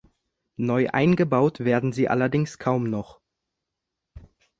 Neu eingebaut werden sie allerdings kaum noch.